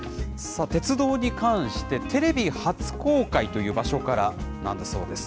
鉄道に関して、テレビ初公開という場所からなんだそうです。